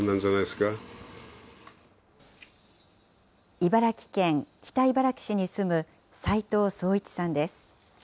茨城県北茨城市に住む齊藤宗一さんです。